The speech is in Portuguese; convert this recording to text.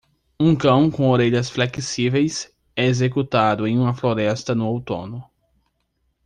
Um cão com orelhas flexíveis é executado em uma floresta no outono.